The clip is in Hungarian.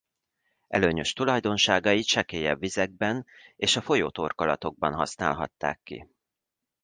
Előnyös tulajdonságait sekélyebb vizekben és a folyótorkolatokban használhatták ki.